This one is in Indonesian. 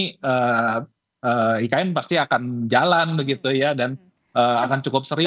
karena ikn pasti akan jalan begitu ya dan akan cukup seri